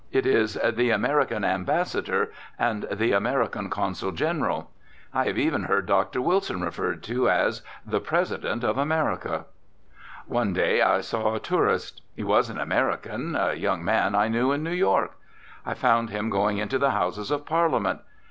It is the "American Ambassador," and the "American Consul General." I have even heard Dr. Wilson referred to as the "President of America." One day I saw a tourist. He was an American, a young man I knew in New York. I found him going into the Houses of Parliament.